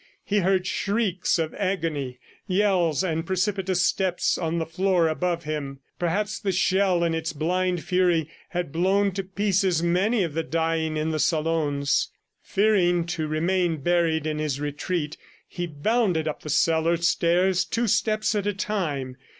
He heard shrieks of agony, yells and precipitous steps on the floor above him. Perhaps the shell, in its blind fury, had blown to pieces many of the dying in the salons. Fearing to remain buried in his retreat, he bounded up the cellar stairs two steps at a time.